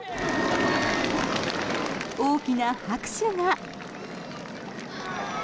大きな拍手が。